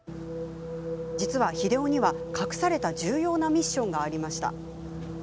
実は、日出男には隠された重要なミッションがありました。